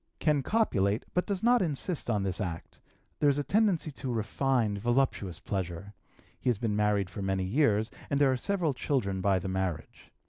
Can copulate, but does not insist on this act; there is a tendency to refined, voluptuous pleasure. He has been married for many years, and there are several children by the marriage.